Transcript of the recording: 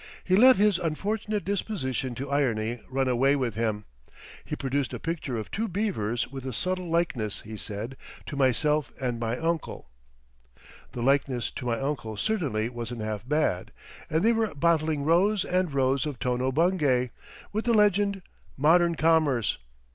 He let his unfortunate disposition to irony run away with him. He produced a picture of two beavers with a subtle likeness, he said, to myself and my uncle—the likeness to my uncle certainly wasn't half bad—and they were bottling rows and rows of Tono Bungay, with the legend "Modern commerce."